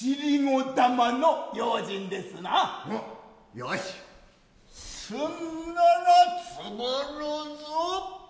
よしすんならつぶるぞ。